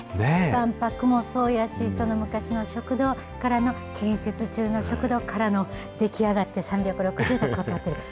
万博もそうやし、その昔の食堂からの建設中の食堂からの出来上がって３６０度撮ってる。